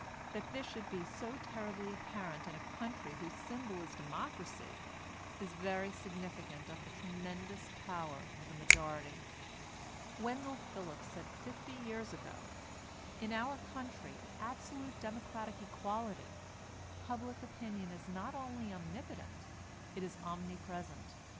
That this should be so terribly apparent in a country whose symbol is democracy, is very significant of the tremendous power of the majority. Wendell Phillips said fifty years ago: "In our country of absolute democratic equality, public opinion is not only omnipotent, it is omnipresent.